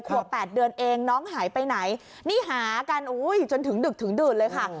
ขวบ๘เดือนเองน้องหายไปไหนนี่หากันอุ้ยจนถึงดึกถึงดื่นเลยค่ะ